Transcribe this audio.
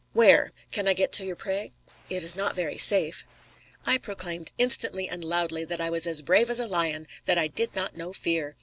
"Where?" "Can I get to Ypres?" "It is not very safe." I proclaimed instantly and loudly that I was as brave as a lion; that I did not know fear.